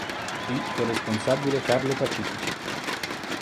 D con responsabile Carlo Pacifici.